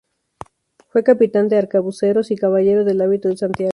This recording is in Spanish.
Fue capitán de arcabuceros y caballero del hábito de Santiago.